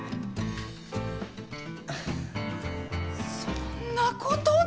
そんなことで！？